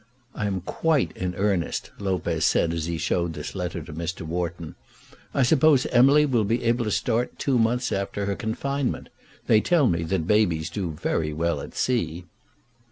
"I am quite in earnest," Lopez said as he showed this letter to Mr. Wharton. "I suppose Emily will be able to start two months after her confinement. They tell me that babies do very well at sea."